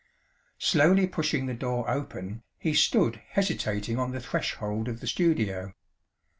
Slowly pushing the door open, he stood hesitating on the threshold of the studio.